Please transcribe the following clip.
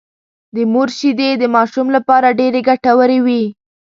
د مور شېدې د ماشوم لپاره ډېرې ګټورې وي